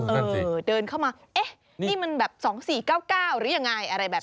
เออเดินเข้ามาเอ๊ะนี่มันแบบ๒๔๙๙หรือยังไงอะไรแบบนี้